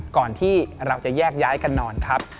ก่อนที่เราจะแยกย้ายกันนอนครับ